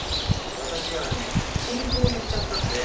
私がね禁句を言っちゃったんで。